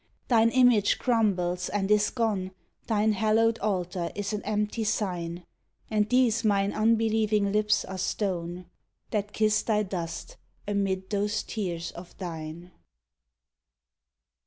Thine image crumbles and is gone, Thine hallowed altar is an empty sign, And these mine unbelieving lips are stone That kiss thy dust amid those tears of thine